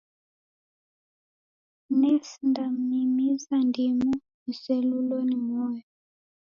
Nesindamimiza ndimu niselulo ni moyo.